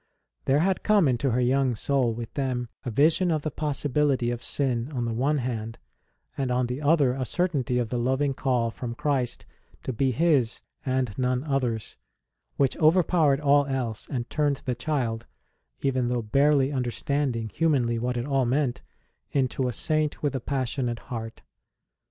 There had come into her young soul, with them, a vision of the possibility of sin on the one hand, and on the other a certainty of the loving call from Christ to be His and none other s, which overpowered all else and turned the child even though barely understand ing, humanly, what it all meant into a Saint with a passionate heart.